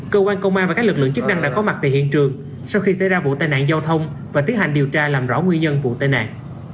cơ quan công an và các lực lượng chức năng đã có mặt tại hiện trường sau khi xảy ra vụ tai nạn giao thông và tiến hành điều tra làm rõ nguyên nhân vụ tai nạn